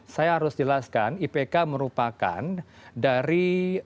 saya harus jelaskan ipk merupakan dari